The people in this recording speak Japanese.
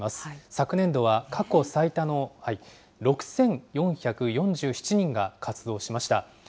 昨年度は過去最多の６４４７人が活動しました。